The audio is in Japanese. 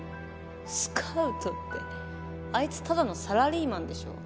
スカウトってあいつただのサラリーマンでしょ。